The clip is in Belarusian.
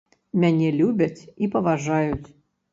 Мяне любяць і паважаюць.